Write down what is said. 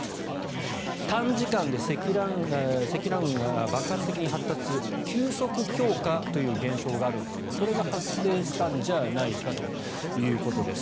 短時間で積乱雲が爆発的に発達する急速強化という現象があるんですけどもそれが発生したんじゃないかということです。